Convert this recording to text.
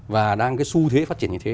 và đang cái xu thế phát triển như thế